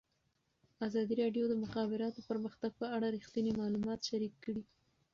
ازادي راډیو د د مخابراتو پرمختګ په اړه رښتیني معلومات شریک کړي.